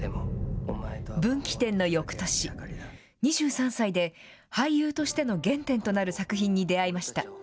分岐点のよくとし、２３歳で俳優としての原点となる作品に出会いました。